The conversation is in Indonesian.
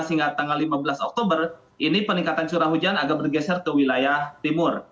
hingga tanggal lima belas oktober ini peningkatan curah hujan agak bergeser ke wilayah timur